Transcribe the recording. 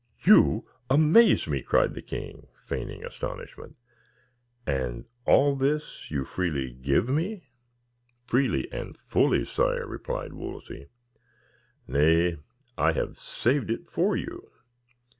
"You amaze me!" cried the king, feigning astonishment. "And all this you freely give me?" "Freely and fully, sire," replied Wolsey. "Nay, I have saved it for you.